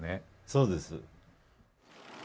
そうです。